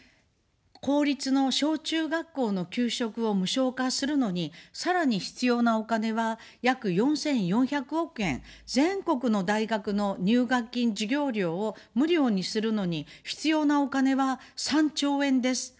公立の小中学校の給食を無償化するのに、さらに必要なお金は約４４００億円、全国の大学の入学金、授業料を無料にするのに必要なお金は３兆円です。